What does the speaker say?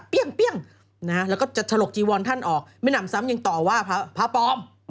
แล้วก็จะฉลกจีวอนท่านออกไม่หนำซ้ำยังต่อว่าพระปลอม